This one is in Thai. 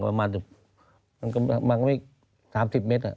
ประมาณ๓๐เมตร